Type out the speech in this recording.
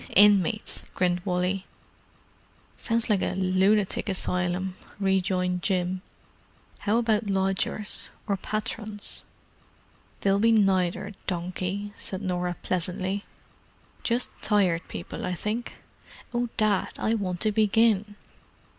"Inmates," grinned Wally. "Sounds like a lunatic asylum," rejoined Jim. "How about lodgers? Or patrons?" "They'll be neither, donkey," said Norah pleasantly. "Just Tired People, I think. Oh, Dad, I want to begin!"